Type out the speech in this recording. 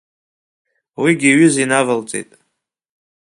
Уигьы аҩыза инавалҵеит.